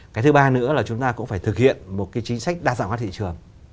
cái thứ ba nữa là chúng ta cũng phải thực hiện một cái chính sách đa dạng hóa thị trường